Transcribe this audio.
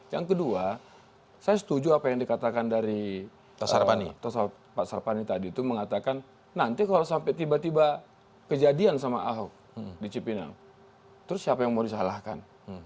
yang kedua saya setuju apa yang dikatakan dari pak sarpani tadi itu mengatakan nanti kalau sampai tiba tiba kejadian sama ahok di cipinang terus siapa yang mau disalahkan